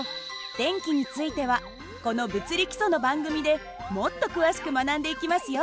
電気についてはこの「物理基礎」の番組でもっと詳しく学んでいきますよ。